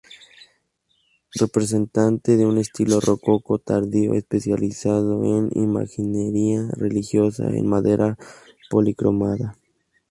Representante de un estilo rococó tardío, especializado en imaginería religiosa en madera policromada.